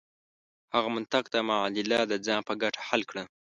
هغه منطق دا معادله د ځان په ګټه حل کړه.